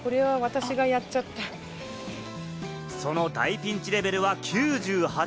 その大ピンチレベルは９８。